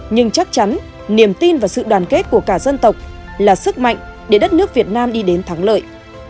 nhưng chắc chắn niềm tin và sự đoàn kết của cả dân tộc là sức mạnh để đất nước việt nam đi đến thắng lợi